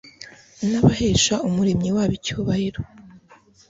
nabahesha Umuremyi wabo icyubahiro